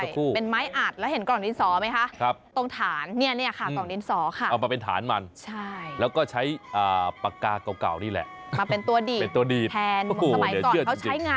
ค่าค่อนข้างสูง